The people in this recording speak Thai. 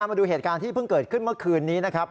มาดูเหตุการณ์ที่เพิ่งเกิดขึ้นเมื่อคืนนี้นะครับ